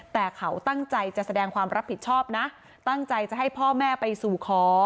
แต่เขาตั้งใจจะแสดงความรับผิดชอบนะตั้งใจจะให้พ่อแม่ไปสู่ขอ